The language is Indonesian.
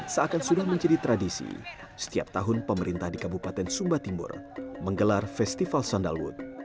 seakan sudah menjadi tradisi setiap tahun pemerintah di kabupaten sumba timur menggelar festival sandalwood